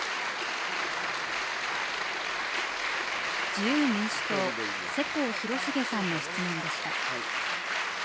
自由民主党、世耕弘成さんの質問でした。